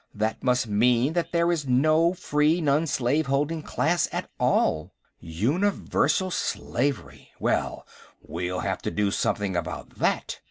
"That must mean that there is no free non slave holding class at all. Universal slavery! Well, we'll have to do something about that.